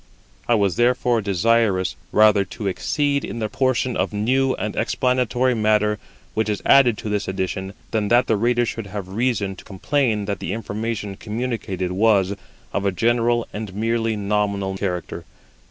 I was therefore desirous rather to exceed in the portion of new and explanatory matter which is added to this edition than that the reader should have reason to complain that the information communicated was of a general and merely nominal character.